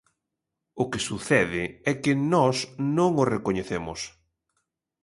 O que sucede é que nós non o recoñecemos.